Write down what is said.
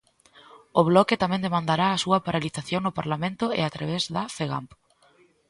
O Bloque tamén demandará a súa paralización no Parlamento e a través da Fegamp.